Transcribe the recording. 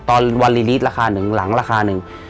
วันรีลีสราคาหนึ่งหลังราคาหนึ่ง